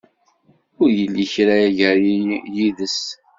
Ur yelli kra gar-i yid-s.